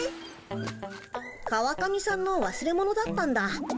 川上さんのわすれ物だったんだ。